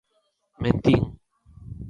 Mentín.